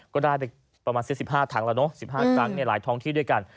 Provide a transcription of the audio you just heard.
ก็ได้ไปประมาณสัก๑๕ครั้งแล้วเนอะ๑๕ครั้งหลายท้องที่ด้วยกัน